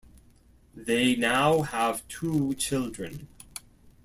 They now have two children.